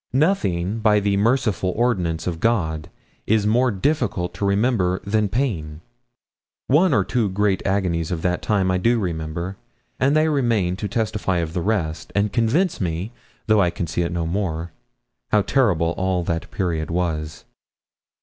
Nothing, by the merciful ordinance of God, is more difficult to remember than pain. One or two great agonies of that time I do remember, and they remain to testify of the rest, and convince me, though I can see it no more, how terrible all that period was.